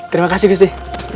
terima kasih gusti